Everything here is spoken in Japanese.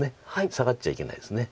サガっちゃいけないです。